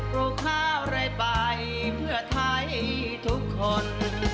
ลูกข้าวอะไรไปเพื่อไทยทุกคน